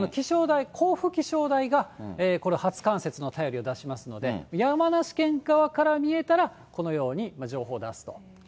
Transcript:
甲府気象台がこれ、初冠雪の便りを出しますので、山梨県側から見えたら、このように情報を出すと。